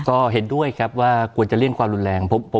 ก็เห็นด้วยครับว่าควรจะเลี่ยงความรุนแรง